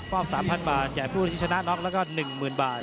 ๓๐๐บาทแก่ผู้ที่ชนะน็อกแล้วก็๑๐๐๐บาท